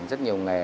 rất nhiều nghề